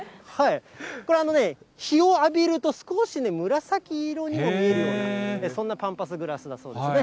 これ、日を浴びると、少し紫色にも見えるような、そんなパンパスグラスのようですね。